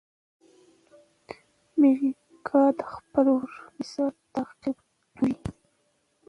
میکا د خپل ورور مثال تعقیبوي.